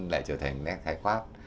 lại trở thành nét khái quát